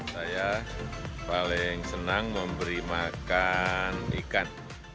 saya paling senang memberi makan ikan